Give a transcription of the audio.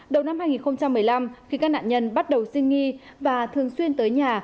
đầu năm hai nghìn một mươi năm khi các nạn nhân bắt đầu sinh nghi và thường xuyên tới nhà